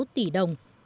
một mươi sáu tỷ đồng